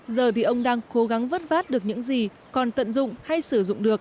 giờ thì ông đang cố gắng vất vát được những gì còn tận dụng hay sử dụng được